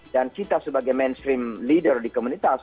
dan kita sebagai leader mainstream di komunitas